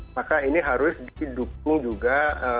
maka ini harus didukung juga